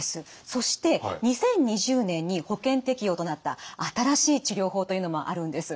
そして２０２０年に保険適用となった新しい治療法というのもあるんです。